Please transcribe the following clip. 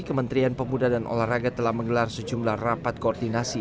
kementerian pemuda dan olahraga telah menggelar sejumlah rapat koordinasi